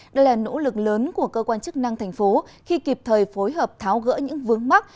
đây là nỗ lực lớn của cơ quan chức năng thành phố khi kịp thời phối hợp tháo gỡ những vướng mắt